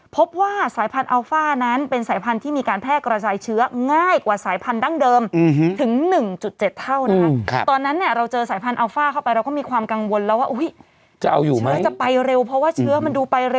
พบว่าสายพันธุ์อัลฟ่านั้น